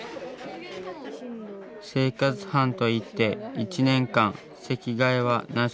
生活班といって１年間席替えはなし。